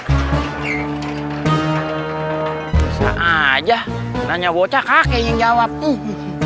bisa aja nanya bocah kakek yang jawab tuh